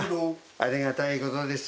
ありがたいことです。